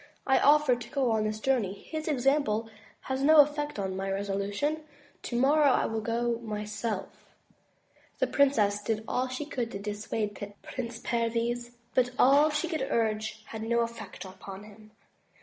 I offered to go on this journey. His example has no effect on my resolu tion. Tomorrow I will go myself." The Princess did all she could to dissuade Prince Perviz, but all she could urge had no effect upon him.